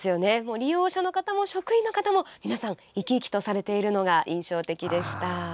利用者の方も職員のかたも皆さん生き生きとしているのが印象的でした。